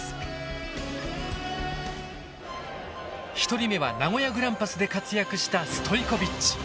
１人目は名古屋グランパスで活躍したストイコビッチ。